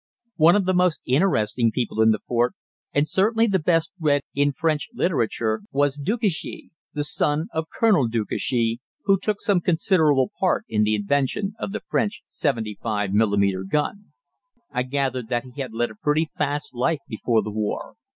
One of the most interesting people in the fort, and certainly the best read in French literature, was Decugis, the son of Colonel Decugis, who took some considerable part in the invention of the French 75 mm. gun. I gathered that he had led a pretty fast life before the war.